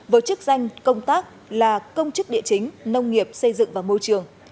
với chức danh công tác là công chức địa chính nông nghiệp xây dựng và môi trường